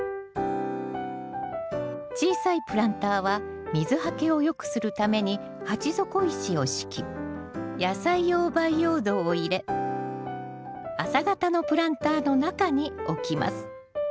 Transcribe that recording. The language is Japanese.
小さいプランターは水はけをよくするために鉢底石を敷き野菜用培養土を入れ浅型のプランターの中に置きます。